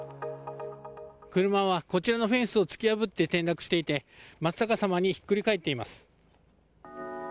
車はこちらのフェンスを突き破って転落していて真っ逆さまにひっくり返っています。